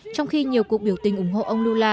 trong khi nhiều cuộc biểu tình ủng hộ ông dula